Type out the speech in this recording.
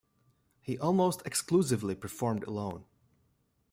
He almost exclusively performed alone.